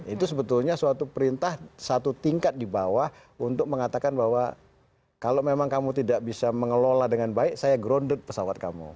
itu sebetulnya suatu perintah satu tingkat di bawah untuk mengatakan bahwa kalau memang kamu tidak bisa mengelola dengan baik saya grounded pesawat kamu